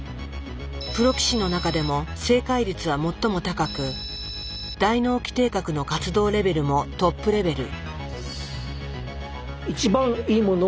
プロ棋士の中でも正解率は最も高く大脳基底核の活動レベルもトップレベル。